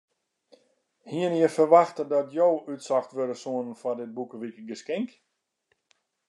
Hiene je ferwachte dat jo útsocht wurde soene foar dit boekewikegeskink?